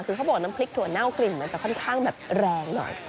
คือเขาบอกน้ำพริกถั่วเน่ากลิ่นมันจะค่อนข้างแบบแรงหน่อย